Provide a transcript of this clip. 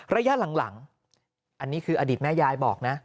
ระยะหลังอันนี้คืออดีตแม่ยายบอกนะ